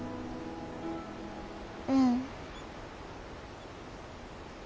うん。